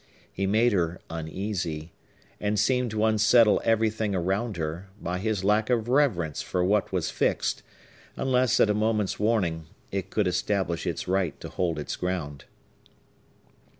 He made her uneasy, and seemed to unsettle everything around her, by his lack of reverence for what was fixed, unless, at a moment's warning, it could establish its right to hold its ground.